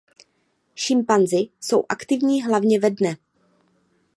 Šimpanzi jsou aktivní hlavně ve dne.